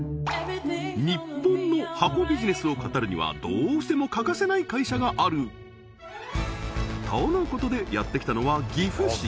日本の箱ビジネスを語るにはどうしても欠かせない会社がある！とのことでやってきたのは岐阜市